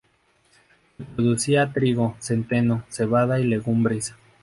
Se producía trigo, centeno, cebada y legumbres.